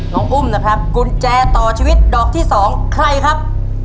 อุ้มนะครับกุญแจต่อชีวิตดอกที่๒ใครครับ